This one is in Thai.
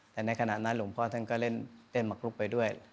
แต่ในขณะนั้นหลวงพ่อท่านก็เล่นเต้นหมักลุกไปด้วย